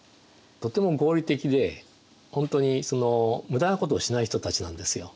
とても合理的で本当にその無駄なことをしない人たちなんですよ。